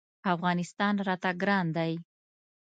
افغانستان راته ګران دی.